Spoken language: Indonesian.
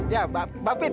ya si bapit